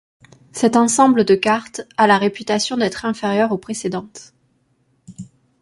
Cet ensemble de cartes a la réputation d'être inférieur aux précédentes.